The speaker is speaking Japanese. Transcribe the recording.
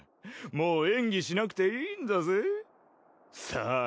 もう演技しなくていいんだぜさあ